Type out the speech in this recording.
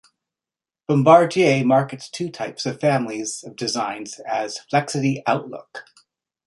Bombardier markets two types or families of designs as "Flexity Outlook".